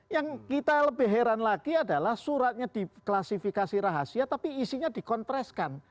yang kita lebih heran lagi adalah suratnya diklasifikasi rahasia tapi isinya dikontreskan